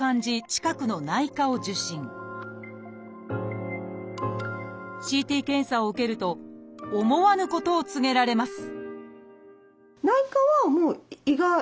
近くの内科を受診ＣＴ検査を受けると思わぬことを告げられます